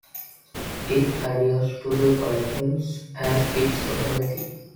It adheres to the Bible as its authority.